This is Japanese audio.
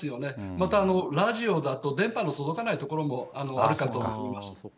またラジオだと、電波の届かない所もあるかと思います。